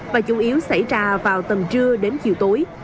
và chủ yếu xảy ra vào tầm trưa đến chiều tối